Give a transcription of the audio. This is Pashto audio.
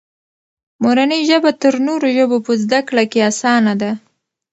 مورنۍ ژبه تر نورو ژبو په زده کړه کې اسانه ده.